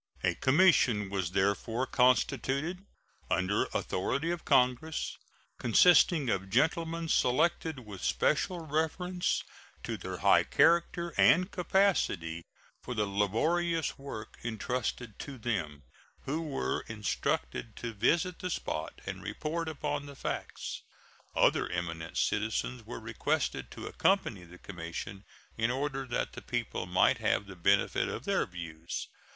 A commission was therefore constituted, under authority of Congress, consisting of gentlemen selected with special reference to their high character and capacity for the laborious work intrusted to them, who were instructed to visit the spot and report upon the facts. Other eminent citizens were requested to accompany the commission, in order that the people might have the benefit of their views.